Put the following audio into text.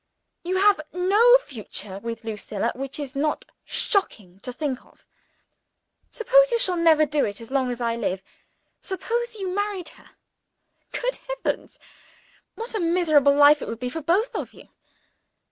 You have no future with Lucilla which is not shocking to think of. Suppose you shall never do it, as long as I live suppose you married her? Good heavens, what a miserable life it would be for both of you!